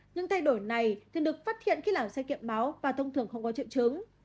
những thay đổi này thường được phát hiện khi làm xe kiệm máu và thông thường không có triệu chứng